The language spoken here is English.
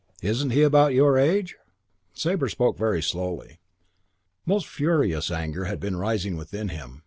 Isn't he about your age?" Sabre spoke very slowly. Most furious anger had been rising within him.